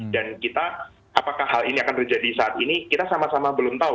dan kita apakah hal ini akan terjadi saat ini kita sama sama belum tahu